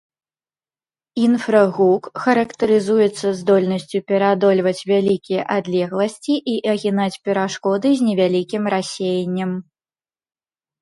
Інфрагук характарызуецца здольнасцю пераадольваць вялікія адлегласці і агінаць перашкоды з невялікім рассеяннем.